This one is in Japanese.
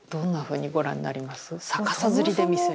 逆さ吊りで見せる。